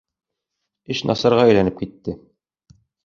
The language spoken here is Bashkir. Эш насарға әйләнеп китте.